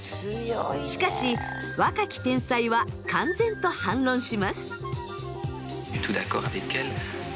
しかし若き天才は敢然と反論します。